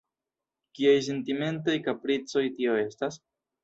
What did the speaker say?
Kiaj sentimentaj kapricoj tio estas?